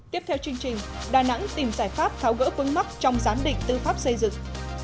tiếp theo chương trình đà nẵng tìm giải pháp tháo gỡ vướng mắc trong giám định tư pháp xây dựng